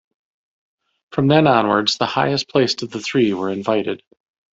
From then onwards, the highest placed of the three were invited.